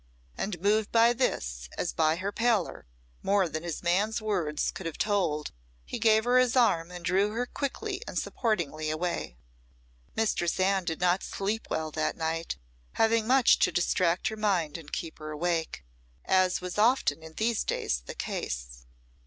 And moved by this, as by her pallor, more than his man's words could have told, he gave her his arm and drew her quickly and supportingly away. Mistress Anne did not sleep well that night, having much to distract her mind and keep her awake, as was often in these days the case.